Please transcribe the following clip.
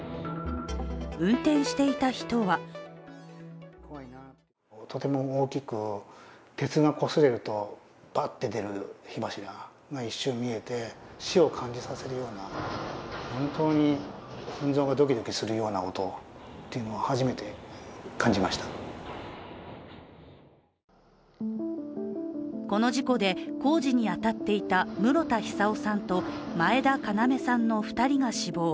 運転していた人はこの事故で、工事に当たっていた室田久生さんと前田要さんの２人が死亡。